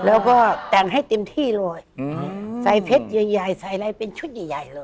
แล้วก็แต่งให้เต็มที่เลยใส่เพชรใหญ่ใส่อะไรเป็นชุดใหญ่ใหญ่เลย